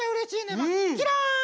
キラン！